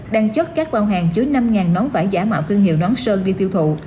đang chất các bao hàng chứa năm nón vải giả mạo thương hiệu nón sơn đi tiêu thụ